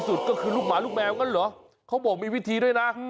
สุดก็คือลูกหมาลูกแมวงั้นเหรอเขาบอกมีวิธีด้วยนะ